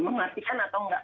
mengatikan atau enggak